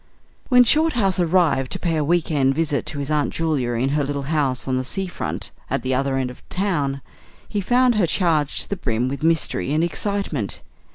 When Shorthouse arrived to pay a "week end" visit to his Aunt Julia in her little house on the sea front at the other end of the town, he found her charged to the brim with mystery and excitement.